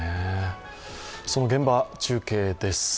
その現場から中継です。